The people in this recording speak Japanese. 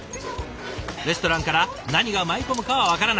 レストランから何が舞い込むかは分からない。